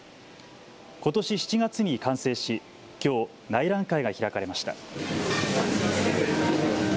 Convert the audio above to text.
ことし７月に完成しきょう内覧会が開かれました。